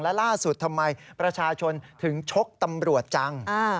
และล่าสุดทำไมประชาชนถึงชกตำรวจจัง